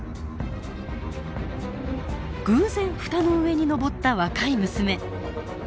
偶然フタの上にのぼった若い娘。